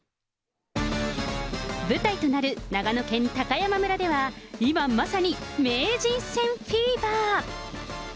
舞台となる長野県高山村では、今まさに、名人戦フィーバー。